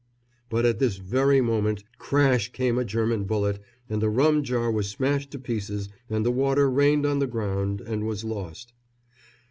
But at this very moment crash came a German bullet, and the rum jar was smashed to pieces and the water rained on the ground and was lost.